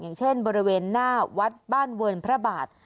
อย่างเช่นบริเวณหน้าวัดบ้านเวิร์นพระบาท